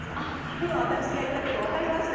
今、私が言ったこと分かりました？